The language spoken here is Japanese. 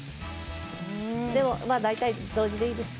でもまぁ大体同時でいいです。